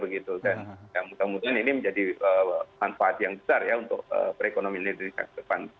kemudian ini menjadi manfaat yang besar untuk perekonomian indonesia ke depan